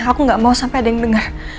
aku nggak mau sampai ada yang dengar